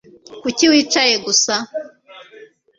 Kuki wicaye gusa